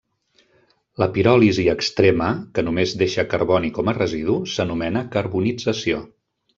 La piròlisi extrema, que només deixa carboni com a residu, s'anomena carbonització.